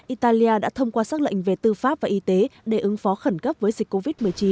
italia đã thông qua xác lệnh về tư pháp và y tế để ứng phó khẩn cấp với dịch covid một mươi chín